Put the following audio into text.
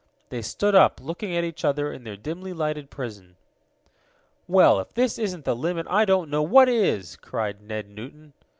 They stood up, looking at each other in their dimly lighted prison. "Well, if this isn't the limit I don't know what is!" cried Ned Newton.